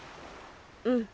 うん。